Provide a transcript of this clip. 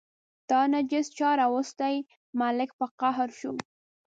دا نجس چا راوستی، ملک په قهر شو.